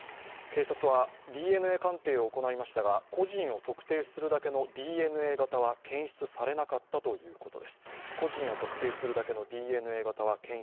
警察はＤＮＡ鑑定を行いましたが個人を特定できるだけのＤＮＡ型は検出されませんでした。